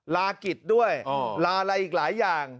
ลากิจด้วยลาอะไรอีกหลายอย่าง